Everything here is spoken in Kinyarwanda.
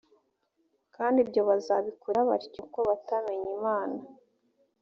kandi ibyo bazabikorera batyo kuko batamenye imana